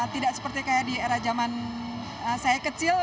tidak seperti kayak di era zaman saya kecil